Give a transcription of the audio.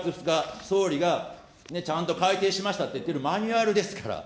しかも６月２日、総理がちゃんと改定しましたって言ってるマニュアルですから。